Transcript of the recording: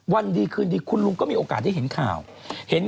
ไม่รู้เหมือนกัน